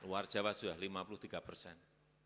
luar jawa sudah lima puluh tiga persen